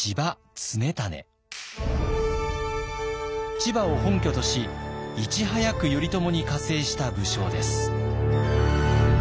千葉を本拠としいち早く頼朝に加勢した武将です。